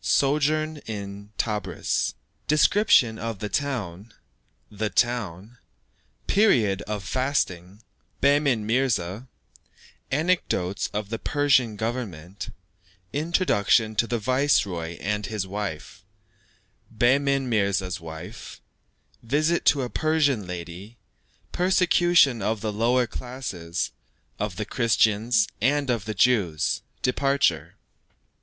SOJOURN IN TEBRIS. DESCRIPTION OF THE TOWN THE TOWN PERIOD OF FASTING BEHMEN MIRZA ANECDOTES OF THE PERSIAN GOVERNMENT INTRODUCTION TO THE VICEROY AND HIS WIFE BEHMEN MIRZA'S WIVES VISIT TO A PERSIAN LADY PERSECUTION OF THE LOWER CLASSES, OF THE CHRISTIANS, AND OF THE JEWS DEPARTURE.